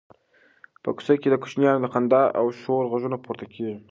په کوڅه کې د کوچنیانو د خندا او شور غږونه پورته کېږي.